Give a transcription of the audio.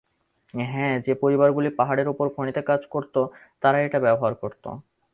হ্যা, যে পরিবারগুলি পাহাড়ের উপরে খনিতে কাজ করত তারাই এটা ব্যবহার করত।